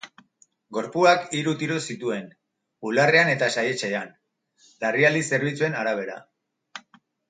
Gorpuak hiru tiro zituen bularrean eta saihetsean, larrialdi zerbitzuen arabera.